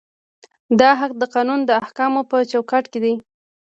دا حق د قانون د احکامو په چوکاټ کې دی.